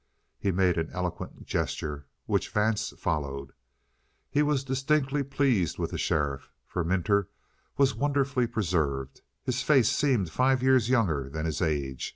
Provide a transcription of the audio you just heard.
He made an eloquent gesture which Vance followed. He was distinctly pleased with the sheriff. For Minter was wonderfully preserved. His face seemed five years younger than his age.